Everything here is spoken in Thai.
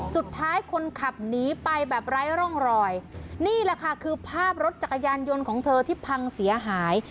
คนขับหนีไปแบบไร้ร่องรอยนี่แหละค่ะคือภาพรถจักรยานยนต์ของเธอที่พังเสียหาย